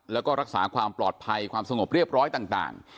แล้วก็รักษาความปลอดภัยความสงบเรียบร้อยต่าง